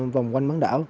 vòng quanh bán đảo